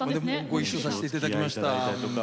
ご一緒させていただきました本当に。